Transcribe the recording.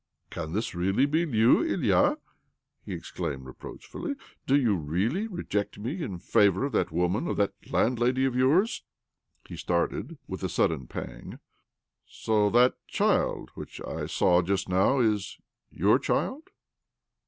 " Can this really be you, Ilya ?" he ex claimed reproachfully. " Do you really re ject me in favour of that woman, of that landlady of yours ?" He started with a sudden pang. " So that child which I saw just now is your child?